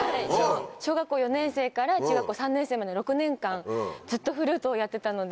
小学校４年生から中学校３年生までの６年間ずっとフルートをやってたので。